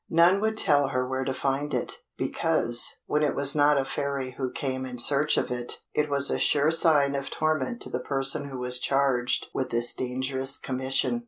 None would tell her where to find it, because, when it was not a fairy who came in search of it, it was a sure sign of torment to the person who was charged with this dangerous commission.